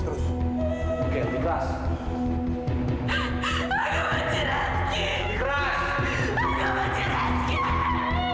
penting kau dikesan alamat bagaimana itu